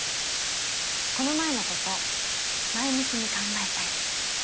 この前のこと前向きに考えたい。